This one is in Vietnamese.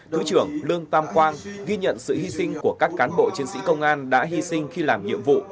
thứ trưởng lương tam quang ghi nhận sự hy sinh của các cán bộ chiến sĩ công an đã hy sinh khi làm nhiệm vụ